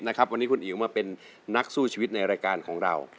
วันนี้คุณอิ๋วมาเป็นนักสู้ชีวิตในรายการของเรา